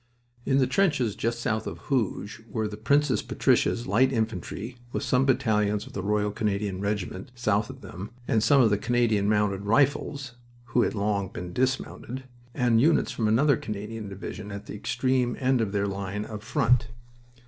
In the trenches just south of Hooge were the Princess Patricia's Light Infantry, with some battalions of the Royal Canadian Regiment south of them, and some of the Canadian Mounted Rifles (who had long been dismounted), and units from another Canadian division at the extreme end of their line of front.